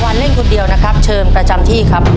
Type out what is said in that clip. วันเล่นคนเดียวนะครับเชิญประจำที่ครับ